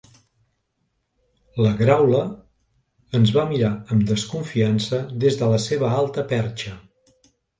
La graula ens va mirar amb desconfiança des de la seva alta perxa.